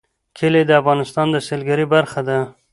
کلي د افغانستان د سیلګرۍ برخه ده.